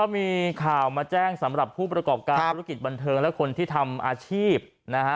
มีข่าวมาแจ้งสำหรับผู้ประกอบการธุรกิจบันเทิงและคนที่ทำอาชีพนะฮะ